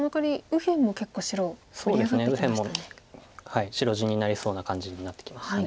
右辺も白地になりそうな感じになってきました。